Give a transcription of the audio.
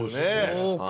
そうか！